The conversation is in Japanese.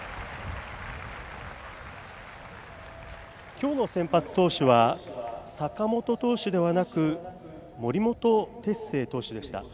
きょうの先発投手は坂本投手ではなく森本哲星投手でした。